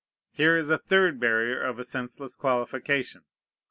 Here is a third barrier of a senseless qualification.